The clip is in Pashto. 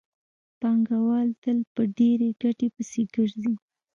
پانګوال تل په ډېرې ګټې پسې ګرځي